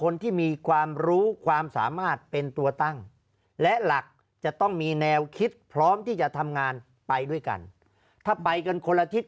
แนวคิดพร้อมที่จะทำงานไปด้วยกันถ้าไปกันคนละทิศ